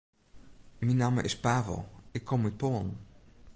Myn namme is Pavel, ik kom út Poalen.